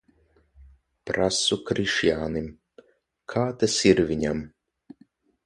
Prasu Krišjānim, kā tas ir viņam.